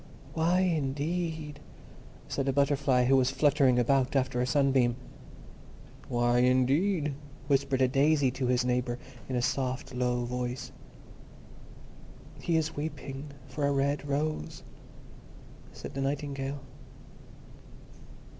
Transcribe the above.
"Why, indeed?" said a Butterfly, who was fluttering about after a sunbeam. "Why, indeed?" whispered a Daisy to his neighbour, in a soft, low voice. "He is weeping for a red rose," said the Nightingale.